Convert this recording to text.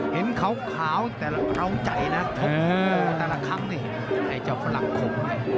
เห็นขาวแต่เราใจนะชกแต่ละครั้งนี่ไอ้เจ้าฝรั่งขมเนี่ย